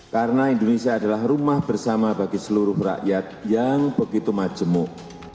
karena indonesia adalah rumah bersama bagi seluruh rakyat yang begitu macemuk